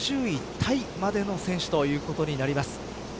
タイまでの選手ということになります。